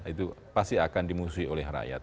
itu pasti akan dimusuhi oleh rakyat